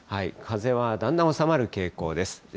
風はだんだん収まる傾向です。